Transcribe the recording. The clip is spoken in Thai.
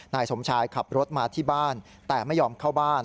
นายสมชายขับรถมาที่บ้านแต่ไม่ยอมเข้าบ้าน